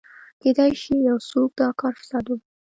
کېدای شي یو څوک دا کار فساد وګڼي.